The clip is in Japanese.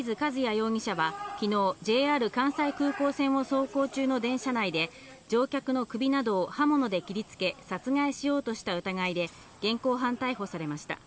容疑者はきのう、ＪＲ関西空港線を走行中の電車内で乗客の首などを刃物で切りつけ殺害しようとした疑いで現行犯逮捕されました。